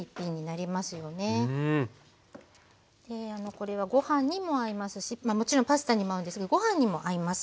これはご飯にも合いますしもちろんパスタにも合うんですがご飯にも合います。